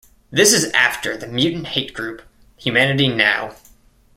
This is after the mutant-hate group Humanity Now!